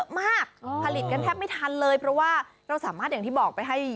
มากผลิตกันแทบไม่ทันเลยเพราะว่าเราสามารถอย่างที่บอกไปให้